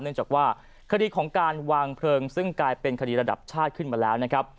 เนื่องจากว่าคดีของการวางเพลิงซึ่งกลายเป็นคดีระดับชาติขึ้นมาแล้วนะครับ